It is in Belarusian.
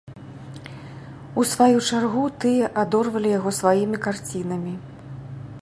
У сваю чаргу тыя адорвалі яго сваімі карцінамі.